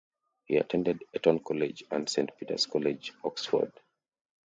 He attended Eton College and Saint Peter's College, Oxford.